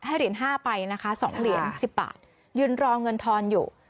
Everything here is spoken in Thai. เหรียญ๕ไปนะคะ๒เหรียญ๑๐บาทยืนรอเงินทอนอยู่